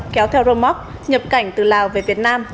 kéo theo roadmark nhập cảnh từ lào về việt nam